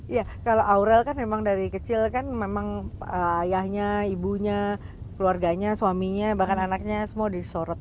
iya kalau aurel kan memang dari kecil kan memang ayahnya ibunya keluarganya suaminya bahkan anaknya semua disorot